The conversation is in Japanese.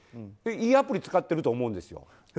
いいアプリ使ってると思うんですよ。